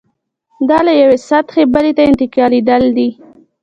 دا له یوې سلطې بلې ته انتقالېدل دي.